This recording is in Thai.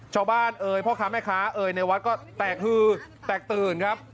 เอ่ยพ่อค้าแม่ค้าเอ่ยในวัดก็แตกฮือแตกตื่นครับ